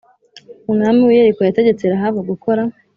Umwami w i Yeriko yategetse Rahabu gukora.